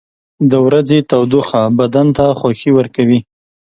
• د ورځې تودوخه بدن ته خوښي ورکوي.